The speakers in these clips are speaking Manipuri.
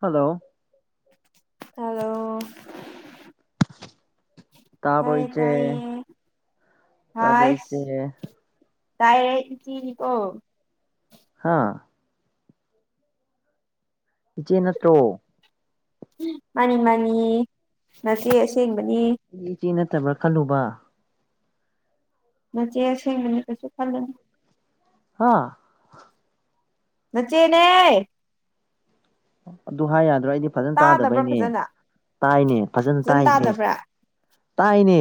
ꯍꯜꯂꯣ ꯑꯗꯣ ꯇꯄ ꯏ ꯎꯆꯦ ꯇꯥꯏꯌꯦ ꯇꯄ ꯍ ꯎꯆꯦ ꯇꯥꯏꯔ ꯑꯣꯣ ꯍꯥꯥ ꯏꯆꯦ ꯅꯠꯇ꯭ꯔꯣ ꯃꯥꯅꯤ ꯃꯥꯅꯤ ꯅꯠꯇꯦ ꯑꯁꯦꯡꯕꯅꯤ ꯐꯠꯇꯕ꯭ꯔꯥ ꯈꯜꯂꯨꯕ ꯃꯆꯦ ꯁꯦꯡꯅꯅ ꯀꯩꯁꯨ ꯈꯜꯂꯅꯤ ꯑꯥ ꯆꯆꯦꯅꯦ ꯑꯗꯨ ꯍꯥꯏ ꯌꯥꯗ꯭ꯔꯣ ꯑꯩꯗꯤ ꯐꯖꯅ ꯇꯥꯗꯕ꯭ꯔꯥ ꯇꯥꯗꯕꯩꯅꯦ ꯐꯖꯅ ꯇꯥꯏꯅꯦ ꯐꯖꯅ ꯇꯥꯏꯅꯦꯅꯦ ꯇꯥꯏꯅꯦ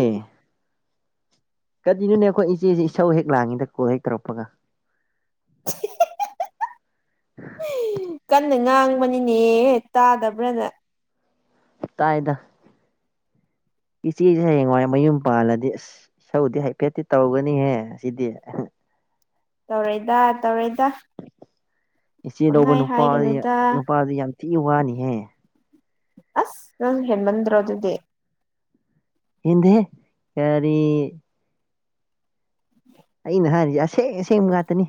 ꯀꯔꯤꯅꯣꯅꯦ ꯑꯩꯈꯣꯏ ꯏꯆꯦꯁꯤ ꯏꯁꯧ ꯍꯦꯛ ꯂꯥꯡꯉꯤꯗ ꯀꯣꯜ ꯍꯦꯛ ꯇꯧꯔꯛꯄꯒ [inaudible] ꯀꯟꯅ ꯉꯥꯡꯕꯅꯤꯅꯦ ꯇꯥꯗꯕ꯭ꯔꯥꯅ ꯀꯥꯏꯗ ꯏꯆꯦꯁꯦ ꯍꯌꯦꯡꯋꯥꯏ ꯃꯌꯨꯝ ꯄꯥꯜꯂꯗꯤ ꯑꯁ ꯏꯁ ꯁꯧꯗꯤ ꯍꯥꯏꯐꯦꯠꯇꯤ ꯇꯧꯒꯅꯤꯍꯦ ꯑꯁꯤꯗꯤ ꯇꯧꯔꯦꯗ ꯇꯧꯔꯦꯗ ꯏꯆꯦ ꯂꯧꯕ ꯅꯨꯄꯥ ꯅꯨꯄꯥꯗꯤ ꯌꯥꯝ ꯊꯤ ꯋꯥꯅꯤꯍꯦ ꯑꯁ ꯅꯪ ꯍꯃꯟꯔꯣꯗꯗꯦ ꯍꯗꯦ ꯀꯔꯤ ꯑꯩꯅ ꯍꯥꯏꯔꯤꯁꯦ ꯑꯁꯦꯡ ꯑꯁꯦꯡꯕ ꯉꯥꯛꯇꯅꯤ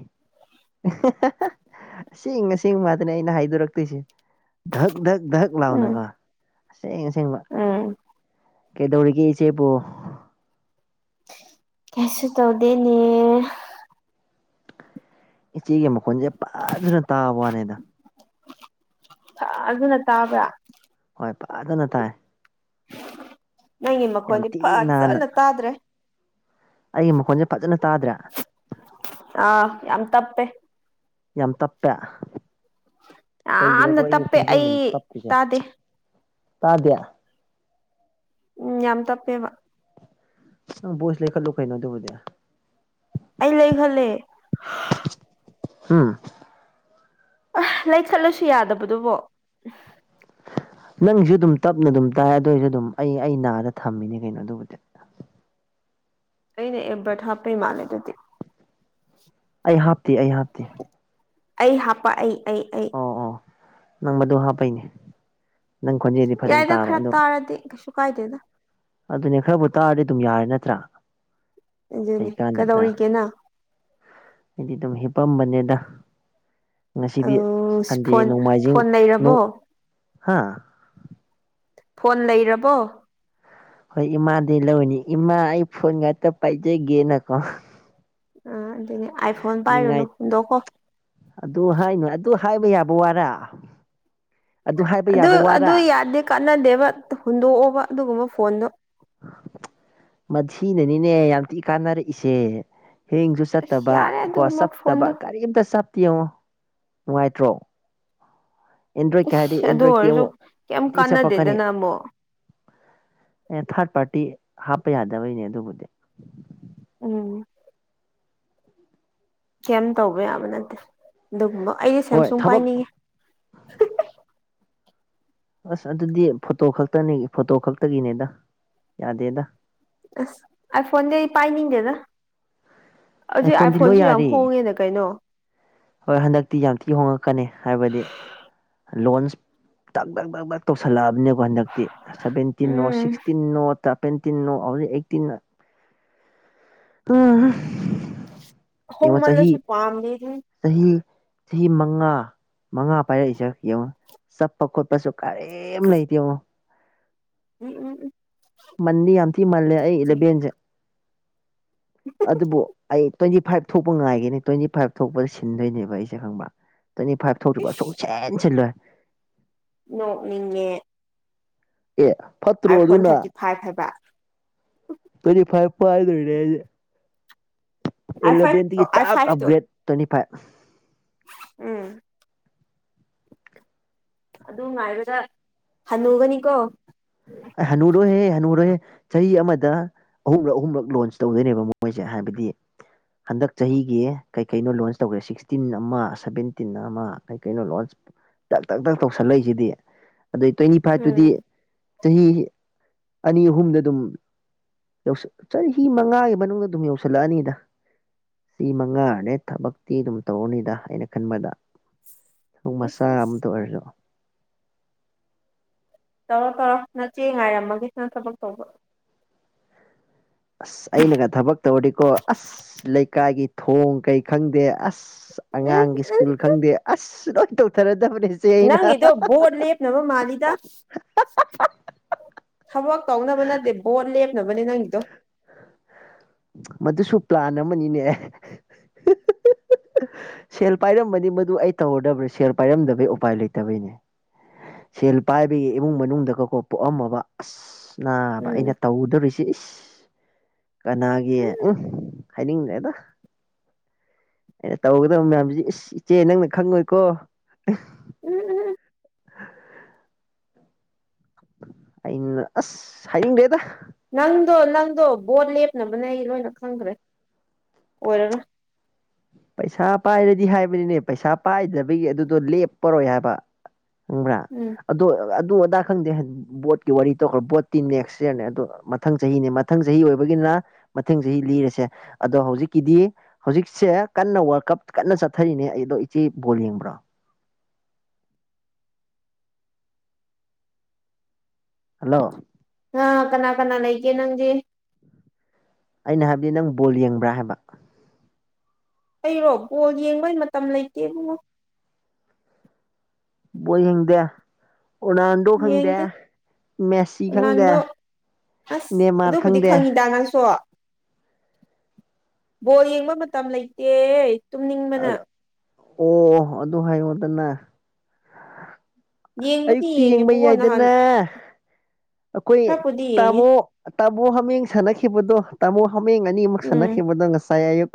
ꯑꯁꯦꯡ ꯑꯁꯦꯡ ꯃꯥꯗꯅꯦ ꯑꯩꯅ ꯍꯥꯏꯗꯣꯔꯛꯇꯣꯏꯁꯦ ꯙꯛ ꯙꯛ ꯙꯛ ꯎꯝ ꯂꯥꯎꯅꯀꯣ ꯑꯁꯦꯡ ꯑꯁꯦꯡ ꯂ ꯎꯝ ꯀꯩꯗꯧꯔꯤ ꯀꯦ ꯆ ꯆꯦ ꯄꯣ ꯀꯩꯁꯨ ꯇꯧꯗꯦꯅꯦ ꯏꯆꯦꯒꯤ ꯃꯈꯣꯟꯁꯦ ꯐꯖꯅ ꯇꯥꯕ ꯋꯥꯅꯦꯗ ꯑꯗꯨꯅ ꯇꯥꯕ꯭ꯔꯥ ꯣꯏ ꯄꯥꯗꯅ ꯇꯥꯏ ꯅꯪꯒꯤ ꯌꯥꯝ ꯃꯈꯣꯟꯗꯤ ꯊꯤ ꯅꯥꯟꯅ ꯐꯖꯅ ꯇꯥꯗ꯭ꯔꯦ ꯑꯩꯒꯤ ꯃꯈꯣꯟꯁꯦ ꯐꯖꯅ ꯇꯥꯗ꯭ꯔꯦ ꯑꯥ ꯌꯥꯝ ꯇꯄꯦ ꯌꯥꯝ ꯇꯞꯄꯦ ꯀꯩꯒꯤꯔꯦꯀꯣ ꯌꯥꯝꯅ ꯑꯩ ꯇꯞꯄꯦ ꯈꯣꯟꯖꯦꯜ ꯑꯗꯨꯝ ꯇꯞꯄꯤꯁꯦ ꯇꯥꯗꯦ ꯇꯥꯗꯦ ꯎꯝ ꯌꯥꯝ ꯇꯄꯦꯕ ꯣꯏꯁ ꯂꯩꯈ ꯂꯨ ꯀꯥꯏꯅ ꯑꯗꯨꯕꯨꯗꯤ ꯑꯩ ꯂꯩꯈꯂ ꯎꯝ ꯑ ꯂꯩ ꯆꯠꯂꯨꯁꯨ ꯌꯥꯗꯕꯗꯨꯕꯣ ꯅꯪꯁꯨ ꯑꯗꯨꯝ ꯇꯞꯅ ꯑꯗꯨꯝ ꯇꯥꯏ ꯑꯗꯨ ꯑꯣꯏꯔꯁꯨ ꯑꯗꯨꯝ ꯑꯩ ꯑꯩ ꯅꯥꯗ ꯊꯝꯃꯤꯅꯦ ꯀꯩꯅꯣ ꯑꯗꯨꯕꯨꯗꯤ [inaudible] ꯀꯅꯦ ꯑꯦꯕꯠ ꯍꯥꯞꯄꯩ ꯃꯥꯅꯤꯗꯨꯇ ꯑꯩ ꯍꯥꯞꯇꯦ ꯑꯩ ꯍꯥꯞꯇꯦ ꯑꯩ ꯍꯥꯄ ꯑꯩ ꯑꯩ ꯑꯩ ꯑꯣ ꯑꯣ ꯅꯪ ꯃꯗꯨ ꯍꯥꯞꯄꯩꯅꯦ ꯅꯪ ꯈꯣꯟꯖꯦꯜꯗꯤ ꯐꯖꯅ ꯌꯥꯏꯗ ꯇꯥꯕ ꯈꯔ ꯑꯗꯨꯒ ꯇꯥꯔꯗꯤ ꯀꯩꯁꯨ ꯀꯥꯏꯗꯦꯗ ꯑꯗꯨꯅꯦ ꯈꯔꯕꯨ ꯇꯥꯔꯗꯤ ꯑꯗꯨꯝ ꯌꯥꯔꯦ ꯅꯠꯇ꯭ꯔꯥ ꯀꯩ ꯑꯗꯨꯅꯦ ꯀꯥꯟꯗꯕꯗ ꯀꯗꯧꯔꯤꯒꯦꯅ ꯑꯩꯗꯤ ꯑꯗꯨꯝ ꯍꯤꯞꯄꯝꯕꯅꯦꯗ ꯉꯁꯤꯗꯤ ꯑꯧ ꯁꯟꯗꯦ ꯐꯣꯟ ꯅꯣꯡꯃꯥꯏꯖꯤꯡ ꯐꯣꯟ ꯂꯩꯔꯕꯣ ꯍꯥ ꯐꯣꯟ ꯂꯩꯔꯕꯣ ꯍꯣꯏ ꯏꯃꯥꯗꯤ ꯂꯧꯅꯤ ꯏꯃꯥ ꯑꯩ ꯐꯣꯟ ꯉꯥꯛꯇ ꯄꯥꯏꯖꯒꯦꯅꯀꯣ ꯑ ꯑꯗꯨꯅꯦ ꯑꯥꯏ ꯐꯣꯟ ꯅꯤꯡꯉꯥꯏ ꯄꯥꯏꯔꯨꯅꯨꯗꯣꯛꯀꯣ ꯑꯗꯨ ꯍꯥꯏꯅꯨ ꯑꯗꯨ ꯍꯥꯏꯕ ꯌꯥꯕ ꯋꯥꯔꯥ ꯍꯥꯏꯕ ꯑꯗꯨ ꯌꯥꯕ ꯑꯗꯨ ꯋꯥꯔꯥ ꯌꯥꯗꯦ ꯀꯥꯟꯅꯗꯦꯕ ꯍꯨꯟꯗꯣꯛꯑꯣꯕ ꯑꯗꯨꯒꯨꯝꯕ ꯐꯣꯟꯗꯣ ꯁꯤꯅꯅꯤꯅꯦ ꯌꯥꯝ ꯊꯤꯛ ꯀꯥꯟꯅꯔꯛꯏꯁꯦ ꯍꯦꯡꯁꯨ ꯑꯁ ꯆꯠꯇꯕ ꯌꯥꯔꯦ ꯀꯣ ꯑꯗꯨꯒꯨꯝꯕ ꯆꯠꯇꯕ ꯐꯣꯟꯗꯣ ꯀꯔꯤꯝꯇ ꯆ ꯌꯦꯡꯉꯣ ꯅꯨꯡꯉꯥꯏꯇ꯭ꯔꯣ ꯑꯦꯟꯗ꯭ꯔꯣꯏꯗꯀꯩ ꯍꯥꯏꯔꯗꯤ ꯏꯁ ꯑꯗꯨ ꯑꯦꯟꯗ꯭ꯔꯣꯏꯗꯇꯤ ꯑꯣꯏꯔꯁꯨ ꯑꯃꯨꯛ ꯀꯩꯝ ꯑꯝꯇ ꯆꯞꯄꯛꯀꯅꯤ ꯀꯥꯟꯅꯗꯦꯗꯅ ꯑꯃꯨꯛ ꯑꯦ ꯊꯥꯔꯠ ꯄꯥꯔꯇꯤ ꯍꯥꯞꯄ ꯌꯥꯗꯕꯩꯅꯦ ꯑꯗꯨꯕꯨꯗꯤ ꯎꯝ ꯀꯩ ꯇꯧꯕ ꯌꯥꯕ ꯅꯠꯇꯦ ꯑꯗꯨꯒꯨꯝꯕ ꯑꯩꯗꯤꯦ ꯍꯣꯏ ꯁꯦꯝꯁꯨꯡ ꯊꯕꯛ ꯄꯥꯏꯅꯤꯡꯉꯦ ꯑꯁ ꯑꯗꯨꯗꯤ ꯐꯣꯇꯣ ꯈꯛꯇꯅꯤ ꯐꯣꯇꯣ ꯈꯛꯇꯒꯤꯅꯦꯗ ꯌꯥꯗꯦꯗ ꯑꯁ ꯑ ꯐꯣꯟꯗꯤ ꯄꯥꯏꯅꯤꯗꯦꯗ ꯑꯥꯏ ꯍꯧꯖꯤꯛ ꯐꯣꯟꯗꯤ ꯂꯣꯏ ꯑꯥꯏꯐꯣꯟꯁꯨ ꯌꯥꯝ ꯌꯥꯔꯦ ꯍꯣꯡꯉꯦꯅ ꯀꯩꯅꯣ ꯍꯣꯏ ꯍꯟꯗꯛꯇꯤ ꯌꯥꯝ ꯊꯤ ꯍꯣꯡꯉꯛꯀꯅꯤ ꯍꯥꯏꯕꯗꯤ ꯂꯣꯟꯁ ꯇꯥꯛ ꯗꯛ ꯇꯥꯛ ꯗꯛ ꯇꯧꯁꯜꯂꯛꯑꯕꯅꯦꯀꯣ ꯍꯟꯗꯛꯇꯤ ꯁꯚꯦꯟꯇꯤꯟꯣ ꯎꯝ ꯁꯤꯛꯁꯇꯤꯟꯣ ꯄꯦꯟꯇꯤꯟꯣ ꯍꯧꯖꯤꯛ ꯑꯩꯠꯇꯤꯟ ꯑ ꯍ ꯃꯜꯂꯁꯨ ꯄꯥꯝꯗ ꯆꯍꯤ ꯆꯍꯤ ꯃꯉꯥ ꯃꯉꯥ ꯄꯥꯏꯔꯛꯏꯁꯦ ꯌꯦꯡꯉꯣ ꯆꯠꯄ ꯈꯣꯠꯄꯁꯨ ꯀꯔꯤꯝ ꯂꯩ ꯌꯦꯡꯉꯣ ꯎꯝ ꯎꯝ ꯎꯝ ꯃꯟꯗꯤ ꯌꯥꯝ ꯊꯤ ꯃꯥꯜꯂꯦ ꯑꯩ ꯂꯦꯕꯦꯟꯁꯦ ꯑꯗꯨꯕꯨꯣ ꯐꯥꯏꯚ ꯊꯣꯛꯄ ꯉꯥꯏꯒꯦꯅꯤ ꯇ꯭ꯋꯦꯟꯇꯤ ꯐꯥꯏꯚ ꯊꯣꯛꯄꯗ ꯁꯤꯟꯗꯣꯏꯅꯦꯕ ꯑꯩꯁꯦ ꯈꯪꯕ ꯇ꯭ꯋꯦꯟꯇꯤ ꯐꯥꯏꯚ ꯊꯧꯔꯤꯕ ꯏꯁ ꯑꯁꯨꯡ ꯁꯦꯟ ꯁꯤꯜꯂꯣꯏꯦ ꯅꯣꯛꯅꯤꯡꯉꯦ ꯑꯦ ꯐꯠꯇ꯭ꯔꯣ ꯑꯥꯏꯐꯣꯟ ꯑꯗꯨꯅ ꯊꯥꯔꯇꯤ ꯐꯥꯏꯚ ꯍꯥꯏꯕ ꯇ꯭ꯋꯦꯟꯇꯤ ꯐꯥꯏꯚ ꯏꯥꯏꯗ ꯏꯅꯦꯦ ꯑꯥꯏ ꯑꯦꯂꯚꯦꯟꯇꯒꯤ ꯐꯥꯏꯚ ꯑꯥꯏ ꯇꯥꯛ ꯐꯥꯏꯚꯇꯣ ꯑꯞꯒ꯭ꯔꯦꯗ ꯇ꯭ꯋꯦꯟꯇꯤ ꯐꯥꯏꯚ ꯎꯝ ꯑꯗꯨ ꯉꯥꯏꯕꯗ ꯍꯜꯂꯨꯒꯅꯤꯀꯣ ꯍꯅꯨꯔꯣꯏꯍꯦ ꯍꯅꯨꯔꯣꯏꯍꯦ ꯆꯍꯤ ꯑꯃꯗ ꯑꯍꯨꯝꯔꯛ ꯑꯍꯨꯝꯔꯛ ꯂꯣꯟꯁ ꯇꯧꯗꯣꯏꯅꯦꯕ ꯃꯣꯏꯁꯦ ꯍꯥꯏꯕꯗꯤ ꯍꯟꯗꯛ ꯆꯍꯤꯒꯤ ꯀꯩ ꯀꯩꯅꯣ ꯂꯣꯟꯁ ꯇꯧꯈ꯭ꯔꯦ ꯁꯤꯛꯁꯇꯤꯟ ꯑꯃ ꯁꯚꯦꯟꯇꯤꯟ ꯑꯃ ꯀꯩ ꯀꯩꯅꯣ ꯂꯣꯟꯁ ꯇꯛ ꯇꯛ ꯇꯛ ꯇꯧꯁꯜꯂꯛꯏꯁꯤꯗꯤ ꯑꯗꯨꯗꯩ ꯇ꯭ꯋꯦꯟꯇꯤ ꯐꯥꯏꯚꯇꯨꯗꯤ ꯎꯝ ꯆꯍꯤ ꯑꯅꯤ ꯑꯍꯨꯝꯗ ꯑꯗꯨꯝ ꯌꯧꯁ ꯆꯍꯤ ꯃꯉꯥꯒꯤ ꯃꯅꯨꯡꯗ ꯑꯗꯨꯝ ꯌꯧꯁꯤꯜꯂꯛꯑꯅꯤꯗ ꯁꯤ ꯃꯉꯥꯔꯅꯦ ꯊꯕꯛꯇꯤ ꯑꯗꯨꯝ ꯇꯧꯔꯅꯤꯗ ꯑꯩꯅ ꯈꯟꯕꯗ ꯊ ꯃꯆꯥ ꯏꯁ ꯏꯁ ꯑꯝꯇ ꯑꯣꯏꯔꯁꯨ ꯇꯧꯔꯣ ꯇꯧꯔꯣ ꯅꯪ ꯆꯦ ꯉꯥꯏꯔꯝꯃꯒꯦ ꯅꯪ ꯊꯕꯛ ꯇꯧꯕ ꯑꯁ ꯑꯩꯅꯒ ꯊꯕꯛ ꯇꯧꯗꯤꯀꯣ ꯑꯁ ꯂꯩꯀꯥꯏꯒꯤ ꯊꯣꯡ ꯀꯩ ꯈꯪꯗꯦ ꯑꯁ ꯑꯁ ꯎꯝ ꯑꯉꯥꯡꯒꯤ ꯁ꯭ꯀꯨꯜ ꯈꯪꯗꯦ ꯑꯁ ꯂꯣꯏꯅ ꯇꯧꯊꯔꯗꯤ ꯅꯪꯒꯤꯗꯣ ꯕꯣꯠ ꯂꯦꯞꯅꯕ ꯃꯥꯜꯂꯤꯗ ꯊꯕꯛ ꯀꯧꯅꯕ ꯅꯠꯇꯦ ꯕꯣꯠ ꯂꯦꯞꯅꯕꯅꯦ ꯅꯪꯒꯤꯗꯣ ꯃꯗꯨꯁꯨ ꯄ꯭ꯂꯥꯟ ꯑꯃꯅꯤꯅꯦ ꯁꯦꯜ ꯄꯥꯏꯔꯝꯕꯅꯤ ꯃꯗꯨ ꯑꯩ ꯇꯧꯔꯗꯕ꯭ꯔꯥ ꯁꯦꯜ ꯄꯥꯏꯔꯝꯗꯕꯩ ꯎꯄꯥꯏ ꯂꯩꯇꯕꯩꯅꯦ ꯁꯦꯜ ꯄꯥꯏꯕꯒꯤ ꯏꯃꯨꯡ ꯃꯅꯨꯡꯗꯒꯀꯣ ꯄꯣꯛꯑꯝꯃꯕ ꯑꯁ ꯅꯥꯕ ꯎꯝ ꯑꯩꯅ ꯇꯧꯗꯣꯔꯤꯁꯤꯦ ꯏꯁ ꯀꯅꯥꯒꯤ ꯎꯝ ꯍꯥꯏꯅꯤꯡꯗꯦꯗ ꯑꯩꯅ ꯇꯧꯒꯗꯕ ꯃꯌꯥꯝꯁꯤ ꯏꯁ ꯏꯆꯦ ꯅꯪꯅ ꯈꯪꯉꯣꯏꯀꯣ ꯎꯝ ꯎꯝ [unintelligible] ꯑꯩꯅ ꯑꯁ ꯍꯡ ꯗꯦꯗ ꯅꯪꯗꯣ ꯅꯪꯗꯣ ꯕꯣꯠ ꯂꯦꯞꯅꯕꯅꯦ ꯑꯩ ꯂꯣꯏꯅ ꯈꯪꯈ꯭ꯔꯦ ꯑꯣꯏꯔ ꯄꯩꯁꯥ ꯄꯥꯏꯔꯗꯤ ꯍꯥꯏꯕꯅꯤꯅꯦ ꯄꯩꯁꯥ ꯄꯥꯏꯗꯕꯒꯤ ꯑꯗꯨꯗꯣ ꯂꯦꯞꯄꯔꯣꯏ ꯍꯥꯏꯕ ꯈꯪꯕ꯭ꯔꯥ ꯎꯝ ꯑꯗꯣ ꯑꯗꯨ ꯑꯗꯥ ꯈꯪꯗꯦ ꯕꯣꯠꯀꯤ ꯋꯥꯔꯤ ꯇꯧꯈ꯭ꯔ ꯕꯣꯠꯇꯤ ꯅꯦꯛꯁ ꯌꯔꯅꯦ ꯑꯣ ꯃꯊꯪ ꯆꯍꯤꯅꯦ ꯃꯊꯪ ꯆꯍꯤ ꯑꯣꯏꯕꯒꯤꯅ ꯃꯊꯪ ꯆꯍꯤ ꯂꯤꯔꯁꯦ ꯑꯗꯣ ꯍꯧꯖꯤꯛꯀꯤꯗꯤ ꯍꯧꯖꯤꯛ ꯁꯦ ꯀꯟꯅ ꯋꯥꯔꯜ ꯀꯞ ꯀꯟꯅ ꯆꯠꯊꯔꯤꯅꯦ ꯑꯩꯗꯣ ꯏꯆꯦ ꯕꯣꯜ ꯌꯦꯡꯕ꯭ꯔꯣ ꯍꯜꯂꯣ꯫ ꯑꯥ ꯀꯅꯥ ꯀꯅꯥ ꯂꯩꯒꯦ ꯅꯪꯗꯤ꯫ ꯑꯩꯅ ꯍꯥꯏꯕꯗꯤ ꯅꯪ ꯕꯣꯜ ꯌꯦꯡꯕ꯭ꯔꯥ ꯍꯥꯏꯕ꯫ ꯑꯩꯔꯣ ꯕꯣꯜ ꯌꯦꯡꯕꯩ ꯃꯇꯝ ꯂꯩꯇꯦ ꯏꯕꯨꯡꯉꯣ꯫ ꯕꯣꯏ ꯌ‌ꯦꯡꯗ‌ꯦ꯫ ꯔꯣꯅꯥꯜꯗꯣ ꯈꯪꯗꯦ ꯌꯦꯡꯗꯦ ꯃꯦꯁꯤ ꯈꯪꯗꯦ꯫ ꯔꯣꯅꯥꯜꯗꯣ ꯑꯁ ꯅꯦꯃꯥꯔ ꯑꯗꯨꯕꯨꯗꯤ ꯈꯪꯗꯦ ꯈꯪꯉꯤꯗ ꯅꯪꯁꫭ꯫ ꯕꯣꯜ ꯌꯦꯡꯕ ꯃꯇꯝ ꯂꯩꯇꯦ꯫ ꯇꯨꯝꯅꯤꯡꯕꯅ ꯑꯣ ꯑꯗꫭ ꯍꯥꯏꯌꫭꯗꯅ꯫ ꯌꯦꯡꯕꯨꯗꯤ ꯑꯌꯨꯛꯇꯤ ꯌꯦꯡꯕ ꯌꯦꯡꯉꯦꯕꯀꯣ ꯅꯍꯥꯟ ꯌꯥꯏꯗꯅ꯫ ꯑꯈꯣꯏ ꯈꯔꯕꯨꯗꯤ ꯌꯦꯡꯉꯦ ꯇꯥꯃꯣ꯫ ꯇꯥꯃꯣ ꯍꯥꯃꯦꯡ ꯁꯥꯟꯅꯈꯤꯕꯗꯣ ꯇꯥꯃꯣ ꯍꯥꯃꯦꯡ ꯑꯅꯤꯃꯨꯛ ꯎꯝ ꯁꯥꯟꯅꯈꯤꯕꯗꯣ ꯉꯁꯥꯏ ꯑꯌꯨꯛ꯫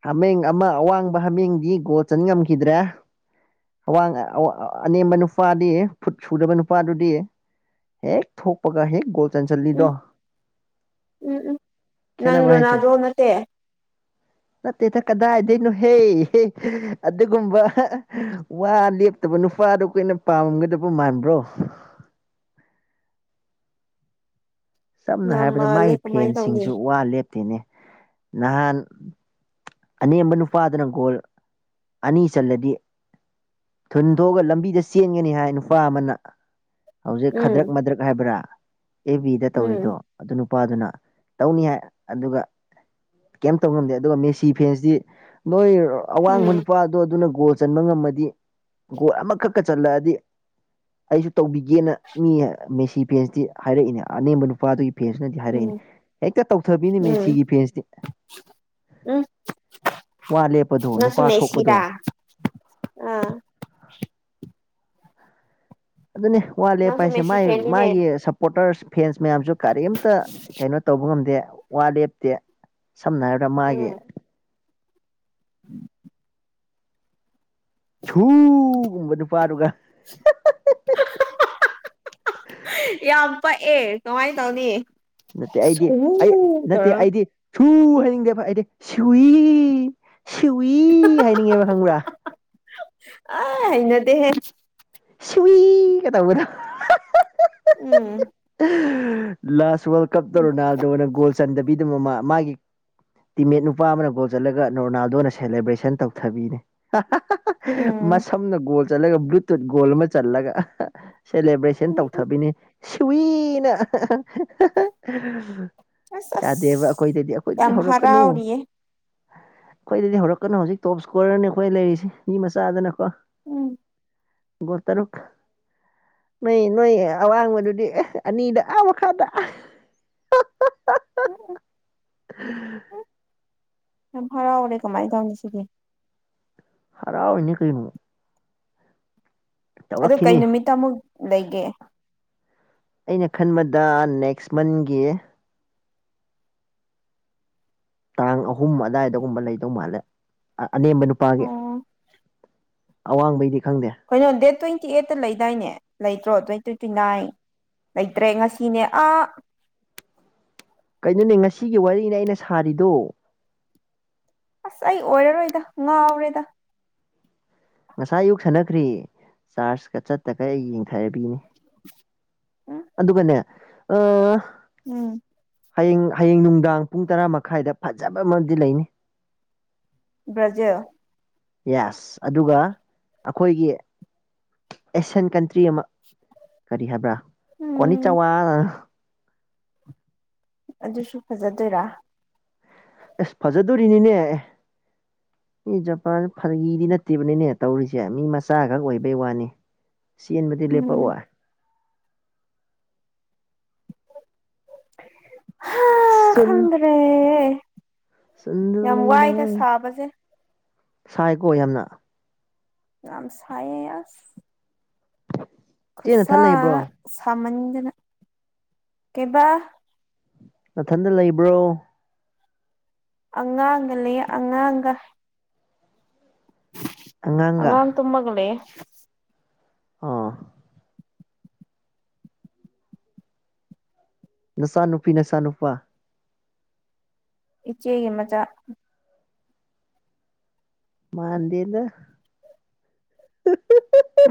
ꯍꯥꯃꯦꯡ ꯑꯃ ꯑꯋꯥꯡꯕ ꯍꯥꯃꯦꯡꯗꯤ ꯒꯣꯜ ꯆꯟꯉꯝꯈꯤꯗ꯭ꯔꯦ꯫ ꯑꯋꯥꯡ ꯑꯅꯦꯝꯕ ꯅꯨꯄꯥꯗꯤ ꯐꯨꯠ ꯁꯨꯗꯕ ꯅꯨꯄꯥꯗꯨꯗꯤ꯫ ꯍꯦꯛ ꯊꯣꯛꯄꯒ ꯍ‌ꯦꯛ ꯒꫭꯜ꯫ ꯆꯟꯁꯤꯜꯂꯤꯗꯣ ꯎꯝ ꯎꯝ ꯎꯝ ꯅꯪ ꯈꯦꯠꯅꯕ ꯍꯥꯏꯁꯦ꯫ ꯔꯣꯅꯥꯜꯗꯣ ꯅꯠꯇꯦ ꯅꯠꯇꯦꯗ ꯀꯗꯥꯏꯗꯩꯅꯣ ꯍꯦ ꯑꯗꯨꯒꯨꯝꯕ꯫ ꯋꯥ ꯂꯦꯞꯇꯕ ꯅꯨꯄꯥꯗꯣ ꯈꫭꯏꯅ ꯄꯥꯝꯃꯝꯒꯗꯕ ꯃꯥꯟꯕ꯭ꯔꯣ꯫ ꯫ ꯁꯝꯅ ꯌꯥꯝ ꯍꯥꯏꯔꯕꯗ ꯃꯥꯜꯂꯦ ꯃꯥꯒꯤ ꯀꯃꯥꯏꯅ ꯇꯧꯅꯤ ꯐꯦꯟꯁꯤꯡꯁꯨ ꯋꯥ ꯂꯦꯞꯇꯦꯅꯦ ꯅꯍꯥꯟ꯫ ꯑꯅꯦꯝꯕ ꯅꯨꯄꯥꯗꯨꯅ ꯒꯣꯜ ꯑꯅꯤ ꯆꯜꯂꯗꯤ꯫ ꯊꯨꯟ ꯊꯣꯛꯑꯒ ꯂꯝꯕꯤꯗ ꯆꯦꯟꯒꯅꯤ ꯍꯥꯏ ꯅꯨꯄꯥ ꯑꯃꯅ꯫ ꯍꯧꯖꯤꯛ ꯈꯗ꯭ꯔꯛ ꯎꯝ ꯃꯗ꯭ꯔꯛ ꯍꯥꯏꯕ꯭ꯔꯥ꯫ ꯑꯦꯞ ꯕꯤꯗ ꯇꯧꯔꯤꯗꯣ ꯎꯝ ꯑꯗꯨꯅꯨꯞ꯫ ꯅꯨꯄꯥꯗꯨꯅ ꯇꯧꯅꯤ ꯍꯥꯏ ꯑꯗꯨꯒ ꯀꯩꯝꯇꯧ ꯉꯝꯗꯦ ꯑꯗꯨꯒ ꯃꯤꯁꯤ꯫ ꯗꯤꯐꯦꯟꯁꯇꯤ ꯅꯣꯏ ꯑꯋꯥꯡꯕ ꯎꯝ ꯅꯨꯄꯥꯗꯣ ꯑꯗꯨꯅ ꯒꯣꯜ꯫ ꯆꯟꯕ ꯉꯝꯃꯗꯤ ꯒꯣꯜ ꯑꯃꯈꯛꯀ ꯆꯜꯂꯛꯑꯗꯤ꯫ ꯑꯩꯁꯨ ꯇꯧꯕꯤꯒꯦꯅ ꯃꯤ ꯃꯦꯁꯤ ꯐꯦꯟꯁꯇꯤ ꯍꯥꯏꯔꯛꯏꯅꯦ ꯑꯅꯦꯝꯕ ꯅꯨꯄꯥꯗꯨꯒꯤ꯫ ꯐꯦꯟꯁꯅꯗꯤ ꯎꯝ ꯍꯥꯏꯔꯛꯏꯅꯤ ꯍꯦꯛꯇ ꯇꯧꯊꯕꯤꯅꯤ ꯎꯝ ꯃꯦꯁꯤꯒꯤ ꯐꯦꯟꯁꯇꯤ꯫ ꯎꯝ ꯋꯥ ꯂꯦꯞꯄꯗꯣ ꯅꯪꯁꯨ ꯅꯨꯄꯥ ꯊꯣꯛꯄꯗꯣ꯫ ꯃꯦꯁꯤꯔꯥ ꯑꯥ꯫ ꯑꯗꯨꯅꯤ ꯋꯥ ꯂꯦꯞꯄ ꯅꯪꯁꯨ ꯍꯥꯏꯁꯦ ꯃꯦꯁꯤ ꯃꯥꯥꯏ ꯐꯦꯟꯅꯤꯅꯦ ꯃꯥꯒꯤ ꯁꯞꯄꯣꯔꯇꯔꯁ ꯐꯦꯟꯁ꯫ ꯃꯌꯥꯝꯁꯨ ꯀꯔꯤꯝꯇ ꯀꯩꯅꯣ ꯇꯧꯕ ꯉꯝꯗꯦ ꯋꯥ ꯂꯦꯞꯇꯦ꯫ ꯁꯝꯅ ꯍꯥꯏꯔꯕꯗ ꯃꯥꯒꯤ꯫ ꯫ ꯁꯨ ꯎꯕ ꯅꯨꯄꯥꯗꯨꯒ꯫ ꯍꯥ-ꯍꯥ꯫ ꯌꯥꯝ ꯄꯛꯑꯦ ꯀꯃꯥꯏꯟ ꯇꯧꯅꯤ꯫ ꯅꯠꯇꯦ ꯑꯩꯗꯤ ꯑꯩ ꯁꯧ ꯅꯠꯇꯦ ꯇꯧꯔꯒ ꯑꯩꯗꯤ ꯁꯨ ꯍꯥꯏꯅꯤꯡꯗꯦꯕ ꯑꯩꯗꯤ꯫ ꯁꯨꯏ ꯁꯨꯏ ꯍꯥꯏꯅꯤꯡꯉꯦꯕ ꯈꯪꯕ꯭ꯔꯥ꯫ ꯑꯥ ꯍꯩꯅꯗ‌ꯦꯍ‌ꯦ꯫ ꯁꯨꯏꯒ ꯇꯧꯕꯗꫭ ꯍꯥ ꯍꯥ꯫ ꯎꯝ꯫ ꯂꯥꯁ ꯋꯥꯜ ꯀꯞꯇ ꯔꯣꯅꯥꯜꯗꯣꯅ ꯒꯣꯜ ꯆꯟꯗꯕꯤꯗ ꯃꯃꯥ ꯃꯥꯒꯤ꯫ ꯇꯤꯃꯦꯠ ꯅꯨꯄꯥ ꯑꯃꯅ ꯒꯣꯜ ꯆꯠꯂꯒ ꯔꯣꯅꯥꯜꯗꯣꯅ ꯁꯦꯂꯦꯕ꯭ꯔꯦꯁꯟ ꯇꯧꯊꯕꯤꯅꯦ꯫ ꯎꯝ ꯃꯁꯝꯅ ꯒꯣꯜ꯫ ꯆꯠꯂꯒ ꯕ꯭ꯂꯨꯇꯨꯠ ꯒꯣꯜ ꯑꯃ ꯆꯜꯂꯒ ꯁꯦꯂꯦꯕ꯭ꯔꯦꯁꯟ ꯇꯧꯊꯕꯤꯅ‌ꯦ꯫ ꯁꯨꯏꯅ꯫ ꯑꯁ ꯑꯁ ꯌꯥꯗꯦꯕ ꯑꯈꯣꯏꯗꯗꯤ ꯑꯈꯣꯏꯗꯗꯤ ꯌꯥꯝ ꯍꯧꯔꯛꯀꯅꯨ꯫ ꯍꯔꯥꯎꯔꯤꯌꯦ ꯑꯈꯣꯏꯗꯗꯤ ꯍꯧꯔꯛꯀꯅꯨ ꯍꯧꯖꯤꯛ ꯇꯣꯞ ꯏꯁꯀꯣꯔꯔꯅꯤ ꯑꯈꯣꯏ ꯂꯩꯔꯤꯁꯤ ꯃꯤ ꯃꯆꯥꯗꯅꯀꯣ꯫ ꯎꯝ ꯒꯣ ꯇꯔꯨꯛ ꯅꯣꯏ ꯅꯣꯏ ꯑꯋꯥꯡꯕꯗꯨꯗꯤ ꯑꯦ ꯑꯅꯤꯗ ꯑꯥ ꯃꯈꯥ ꯇ ꯎꯝ [unintelligible] ꯌꯥꯝ ꯍꯔꯥꯎꯔꯦ ꯀꯃꯥꯏꯅ ꯇꯧꯅꯤ ꯁꯤꯒꯦ ꯍꯔꯥꯎ ꯏꯅꯤ ꯀꯅ ꯑ ꯀꯩ ꯅꯨꯃꯤꯠꯇ ꯑꯃꯨꯛ ꯂꯩꯒꯦ ꯑꯩꯅ ꯈꯟꯕꯗ ꯅꯦꯛꯁ ꯃꯟꯒꯤ ꯇꯥꯡ ꯑꯍꯨꯝ ꯑꯗꯨꯏꯗꯒꯨꯝꯕ ꯂꯩꯗꯧ ꯃꯥꯜꯂꯦ ꯑꯅꯦꯝꯕ ꯅꯨꯄꯥꯒꯤ ꯑꯣ ꯑꯋꯥꯡꯕꯩꯗꯤ ꯈꯪꯗꯦ ꯀꯩꯅꯣ ꯗꯦꯠ ꯇ꯭ꯋꯦꯟꯇꯤ ꯑꯩꯠꯇ ꯂꯩꯗꯥꯏꯅꯦ ꯂꯩꯇ꯭ꯔꯣ ꯇ꯭ꯋꯦꯟꯇꯤ ꯇ꯭ꯋꯦꯟꯇꯤ ꯅꯥꯏꯟ ꯂꯩꯇ꯭ꯔꯦ ꯉꯁꯤꯅꯦ ꯑꯥ ꯀꯩꯅꯣꯅꯦ ꯉꯁꯤꯒꯤ ꯋꯥꯔꯤꯅꯦ ꯑꯩꯅ ꯁꯥꯔꯤꯗꯣ ꯑꯁ ꯑꯩ ꯑꯣꯏꯔꯔꯣꯏꯗ ꯉꯥꯎꯔꯦꯗ ꯉꯁꯥꯏ ꯑꯌꯨꯛ ꯁꯥꯟꯅꯈ꯭ꯔꯤ ꯆꯥꯔꯖꯀ ꯆꯠꯇꯒ ꯑꯩ ꯌꯦꯡ ꯊꯥꯏꯕꯤꯅꯤ ꯎꯝ ꯑꯗꯨꯒꯅꯦ ꯑ ꯎꯝ ꯍꯌꯦꯡ ꯍꯌꯦꯡ ꯅꯨꯡꯗꯥꯡ ꯄꯨꯡ ꯇꯔꯥ ꯃꯈꯥꯏꯗ ꯐꯖꯕ ꯑꯃꯗꯤ ꯂꯩꯅꯤ ꯕ꯭ꯔꯖꯤꯜ ꯌꯦꯁ ꯑꯗꯨꯒ ꯑꯩꯈꯣꯏꯒꯤ ꯑꯦꯁꯤꯌꯥꯟ ꯀꯟꯇ꯭ꯔꯤ ꯇ꯭ꯔꯤ ꯑꯃ ꯀꯔꯤ ꯍꯥꯏꯕ꯭ꯔꯥ ꯀꯣꯅꯤ ꯎꯝ ꯆꯥꯋꯥꯅ ꯑꯗꯨꯁꯨ ꯐꯖꯗꯣꯏꯔꯥ ꯑꯁ ꯐꯖꯗꯣꯔꯤꯅꯤꯅꯦ ꯑꯦ ꯑꯦ ꯖꯄꯥꯟ ꯐꯥꯒꯤꯗꯤ ꯅꯠꯇꯦꯕꯅꯤꯅꯦ ꯇꯧꯔꯤꯁꯦ ꯃꯤ ꯃꯆꯥꯈꯛ ꯑꯣꯏꯕꯩ ꯋꯥꯅꯤ ꯆꯦꯟꯕꯗꯤ ꯎꯝ ꯂꯦꯞꯄꯛꯑꯣ ꯍꯥ ꯈꯗ꯭ꯔꯦ ꯆꯟꯗ꯭ꯔ ꯂꯩꯅꯥ ꯁꯥꯕꯁꯦ ꯁꯥꯏꯀꯣ ꯌꯥꯝꯅ ꯌꯥꯝꯝ ꯁꯌꯦ ꯌꯥꯁ ꯆꯦ ꯅꯊꯟ ꯈꯁꯥ ꯂꯩꯕ꯭ꯔꯣ ꯁꯃꯖꯅ ꯀꯕꯥ ꯃꯊꯟꯇ ꯂꯩꯕ꯭ꯔꯣ ꯑꯉꯥꯡꯒ ꯂꯩ ꯑꯉꯥꯡꯒ ꯑꯉꯥꯟ ꯑꯉꯥꯡꯒ ꯇꯨꯝꯒꯅꯤ ꯑꯥ ꯅꯆꯥꯅꯨꯄꯤ ꯅꯆꯥꯥꯅꯨꯄꯥ ꯏꯆꯦꯒꯤ ꯃꯆꯥ ꯃꯥꯥꯟꯗꯗ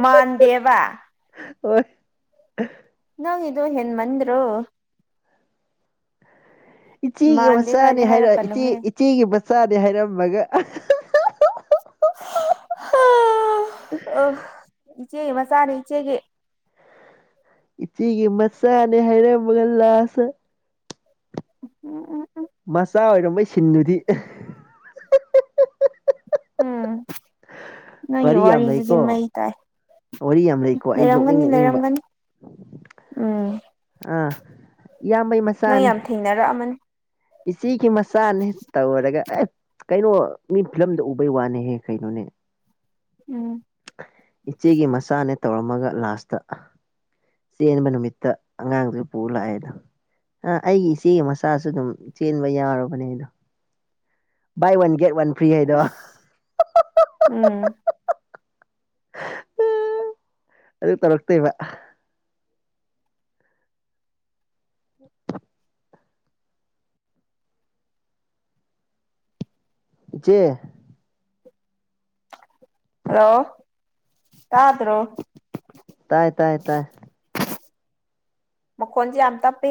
ꯃꯥꯥꯟꯗꯦꯕ ꯑꯣ ꯅꯪ ꯏꯗꯨ ꯌꯦꯟ ꯃꯟꯣ ꯏꯆꯦꯒꯤ ꯃꯥꯟꯗꯦ ꯃꯆꯥꯅꯦ ꯀꯥꯏꯗꯤ ꯍꯥꯏꯔ ꯏꯆꯦ ꯍꯥꯏꯔꯛꯀꯅꯨꯍꯦ ꯏꯆꯦꯒꯤ ꯃꯆꯥꯅꯦ ꯍꯥꯏꯔꯝꯃꯒ ꯑ ꯑ ꯏꯆꯦ ꯃꯁꯥꯅꯦꯦ ꯏꯆꯦꯒꯦ ꯏꯆꯦꯒꯤ ꯃꯁꯥꯅꯤ ꯍꯥꯏꯩꯔꯒꯜꯂꯥꯁ ꯎꯝ ꯎꯝ ꯃꯆꯥ ꯑꯣꯏꯔꯝꯝꯕꯩ ꯁꯤꯅꯨꯗꯤ ꯅꯣꯏ ꯌꯣ ꯋꯥꯔꯤ ꯌꯥꯝ ꯋꯥꯔꯤꯔꯗꯨꯗꯤ ꯃ ꯂꯩꯀꯣ ꯏ ꯇꯥꯏ ꯋꯥꯔꯤ ꯌꯥꯝ ꯂꯩꯀꯣ ꯑꯩ ꯅꯣꯛꯅꯤꯡ ꯂꯩꯔꯝꯒꯅꯤ ꯅꯣꯛꯅꯤꯡꯕ ꯂꯩꯔꯝꯒꯅꯤ ꯎꯝ ꯑꯥ ꯏꯌꯥꯝꯕꯩ ꯅꯪ ꯃꯆꯥꯅꯦ ꯌꯥꯝ ꯊꯦꯡꯅꯔꯛꯑꯃꯅꯤ ꯏꯆꯦꯒꯤ ꯃꯆꯥꯅꯦ ꯇꯧꯔꯒ ꯑꯦ ꯀꯩꯅꯣ ꯃꯤ ꯐꯤꯂꯝꯗ ꯎꯕꯩ ꯋꯥꯅꯤꯍꯦ ꯀꯩꯅꯣꯅꯦ [unintelligible] ꯎꯝ ꯏꯆꯦꯒꯤ ꯃꯆꯥꯅꯦ ꯇꯧꯔꯝꯃꯒ ꯂꯥꯁꯇ ꯆꯦꯟꯕ ꯅꯨꯃꯤꯠꯇ ꯑꯉꯥꯡꯗꯨꯁꯨ ꯄꯨ ꯂꯥꯛꯑꯦꯗ ꯑ ꯑꯩꯒꯤ ꯏꯆꯦꯒꯤ ꯃꯆꯥꯁꯨ ꯑꯗꯨꯝ ꯆꯦꯟꯕ ꯌꯥꯎꯨꯔꯕꯅꯦ ꯑꯩꯗꯣ buy one get one free ꯍꯥꯏꯗ ꯑꯁ ꯎꯝ ꯑꯗꯨ ꯇꯧꯔꯛꯇꯣꯏꯦꯕ ꯎ ꯏꯆꯦ ꯍꯂꯣ ꯀꯠꯇ꯭ꯔꯣ ꯇꯥꯏ ꯇꯥꯏ ꯇꯥꯏ ꯃꯀꯣꯟꯖꯤꯦ ꯌꯥꯝꯝꯇꯄ